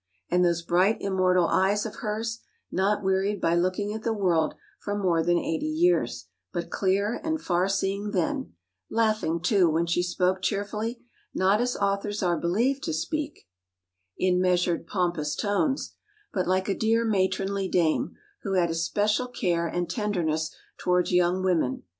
And those bright immortal eyes of hers not wearied by looking at the world for more than eighty years, but clear and far seeing then laughing, too, when she spoke cheerfully, not as authors are believed to speak 'In measured pompous tones,' but like a dear matronly dame, who had especial care and tenderness towards young women.